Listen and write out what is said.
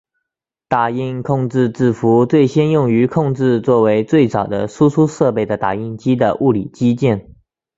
打印控制字符最先用于控制作为最早的输出设备的打印机的物理机件。